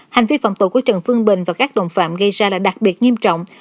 hành vi phạm tội của trần phương bình và các đồng phạm gây ra là đặc biệt nghiêm trọng